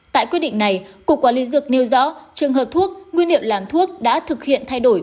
tại quyết định này cục quản lý dược nêu rõ trường hợp thuốc nguyên liệu làm thuốc đã thực hiện thay đổi